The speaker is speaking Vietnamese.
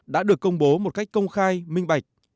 đã được công bố một cách công khai minh bạch